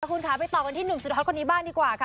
คุณค่ะไปต่อกันที่หนุ่มสุดฮอตคนนี้บ้างดีกว่าค่ะ